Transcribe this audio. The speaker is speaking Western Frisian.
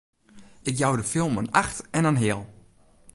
Ik jou de film in acht en in heal!